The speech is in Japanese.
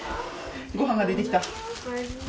ごはんが出てきた。